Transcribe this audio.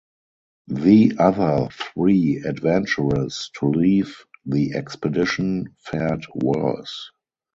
The other three adventurers to leave the expedition fared worse.